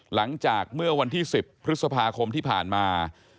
หลังจากเมื่อวันที่๑๐พฤษภาคมที่ผ่านมา